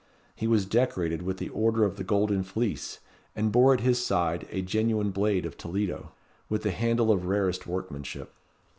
He was decorated with the order of the Golden Fleece, and bore at his side a genuine blade of Toledo, with a handle of rarest workmanship.